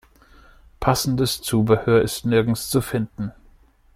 Passendes Zubehör ist nirgends zu finden.